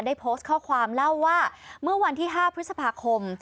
ได้โพสต์ข้อความเล่าว่าเมื่อวันที่๕พฤษภาคม